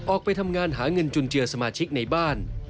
ออกไปทำงานหาเงินจุนเจือสมาชิกในบ้าน